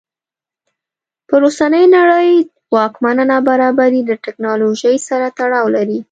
پر اوسنۍ نړۍ واکمنه نابرابري له ټکنالوژۍ سره تړاو لري.